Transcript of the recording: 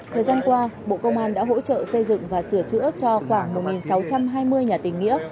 thời gian qua bộ công an đã hỗ trợ xây dựng và sửa chữa cho khoảng một sáu trăm hai mươi nhà tình nghĩa